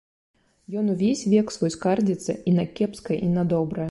Ён увесь век свой скардзіцца і на кепскае і на добрае.